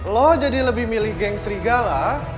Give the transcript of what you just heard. lo jadi lebih milih ngestrigala